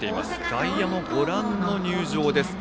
外野もご覧の入場です。